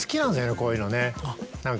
こういうのね何か。